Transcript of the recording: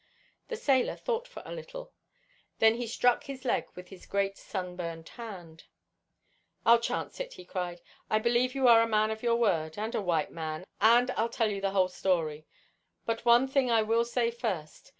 The sailor thought for a little. Then he struck his leg with his great, sun burned hand. "I'll chance it," he cried. "I believe you are a man of your word, and a white man, and I'll tell you the whole story. But one thing I will say first.